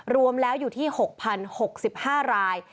รวมแล้วอยู่ที่๖๐๖๕ราย